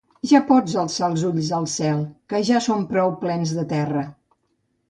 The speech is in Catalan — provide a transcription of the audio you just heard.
Ja pots alçar els ulls al cel, que ja són prou plens de terra.